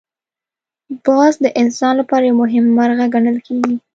باز د انسان لپاره یو مهم مرغه ګڼل کېږي